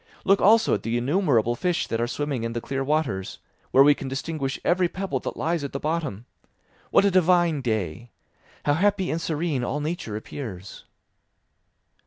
Look also at the innumerable fish that are swimming in the clear waters, where we can distinguish every pebble that lies at the bottom. What a divine day! How happy and serene all nature appears!"